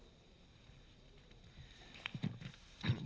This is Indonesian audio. bapak mau kasih tahu melalui pelajaran